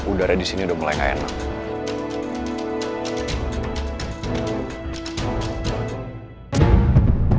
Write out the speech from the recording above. udara di sini udah mulai gak enak